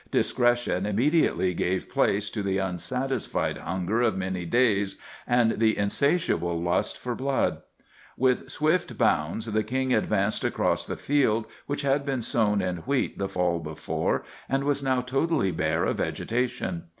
Discretion immediately gave place to the unsatisfied hunger of many days and the insatiable lust for blood. With swift bounds the King advanced across the field, which had been sown in wheat the fall before, and was now totally bare of vegetation.